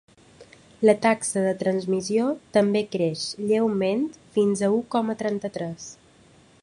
La taxa de transmissió també creix lleument fins a u coma trenta-tres.